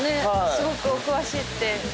すごくお詳しいって伺って。